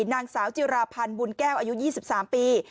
นางสาวจิราพันธ์บุญแก้วอายุ๒๓ปี